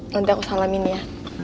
nanti aku salamin ya